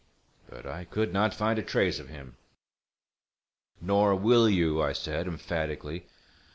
But I could not find a trace of him." "—Nor will you," I said, emphatically.